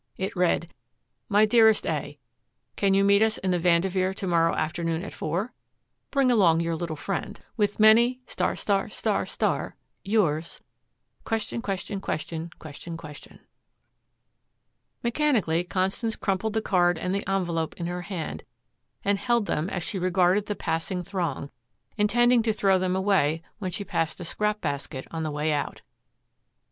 It read: MY DEAREST A : Can you meet us in the Vanderveer to morrow afternoon at four? Bring along your little friend. With many Yours, ????? Mechanically Constance crumpled the card and the envelope in her hand and held them as she regarded the passing throng, intending to throw them away when she passed a scrap basket on the way out.